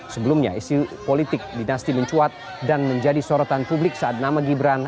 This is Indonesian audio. sebelumnya isu politik dinasti mencuat dan menjadi sorotan publik saat nama gibran